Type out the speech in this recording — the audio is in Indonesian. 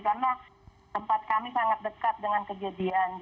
karena tempat kami sangat dekat dengan kejadian